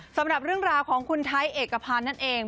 สำหรับเรื่องราวของคุณไทยเอกพันธ์นั่นเอง